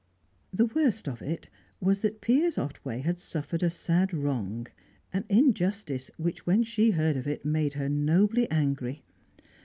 The worst of it was that Piers Otway had suffered a sad wrong, an injustice which, when she heard of it, made her nobly angry.